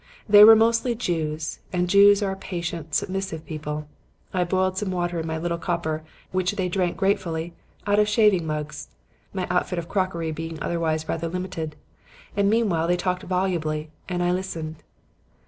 They were mostly Jews, and Jews are a patient, submissive people. I boiled some water in my little copper and made some coffee, which they drank gratefully out of shaving mugs; my outfit of crockery being otherwise rather limited. And meanwhile they talked volubly and I listened.